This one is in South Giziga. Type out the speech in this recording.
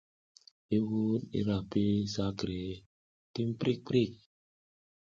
I wuɗ i ra pi sakre tim prik prik.